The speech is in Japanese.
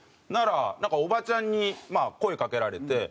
なんかおばちゃんにまあ声かけられて。